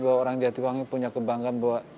bahwa orang jatiwangi punya kebanggaan bahwa